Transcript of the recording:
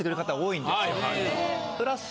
プラス。